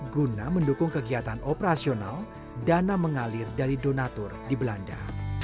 guna mendukung kegiatan operasional dana mengalir dari donatur di belanda